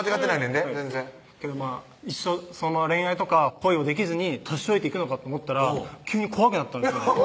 んでけど一生恋愛とか恋をできずに年老いていくのかと思ったら急に怖くなったんです